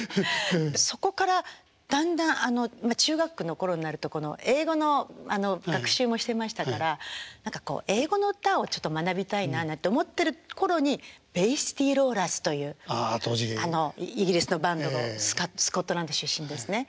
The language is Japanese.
そこからだんだんまあ中学の頃になると英語の学習もしてましたから何かこう英語の歌を学びたいななんて思ってる頃にベイ・シティ・ローラーズというイギリスのバンドのスコットランド出身ですね